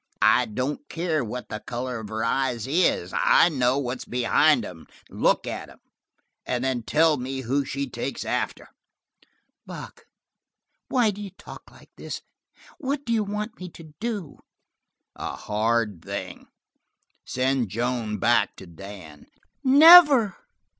"I don't care what the color of her eyes is, I know what's behind them. Look at 'em, and then tell me who she takes after." "Buck, why do you talk like this? What do you want me to do?" "A hard thing. Send Joan back to Dan." "Never!"